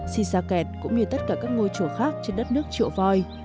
sisaket cũng như tất cả các ngôi chùa khác trên đất nước triệu voi